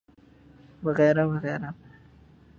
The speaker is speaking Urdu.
وغیرہ وغیرہ۔